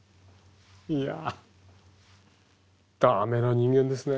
いや駄目な人間ですね。